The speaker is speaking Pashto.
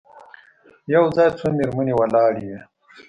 یو ځای څو مېرمنې ولاړې وې.